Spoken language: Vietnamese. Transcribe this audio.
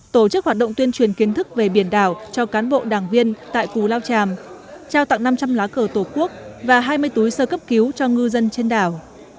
tổ chức hoạt động tuyên truyền kiến thức về biển đảo cho cán bộ đảng viên tại cú lao tràm trao tặng năm trăm linh lá cờ tổ quốc và hai mươi túi sơ cấp cứu cho ngư dân trên đảo